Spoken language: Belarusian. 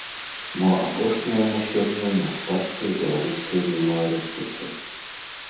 Мо апошняя на сёння ў мастацкай беларускай мемуарыстыцы.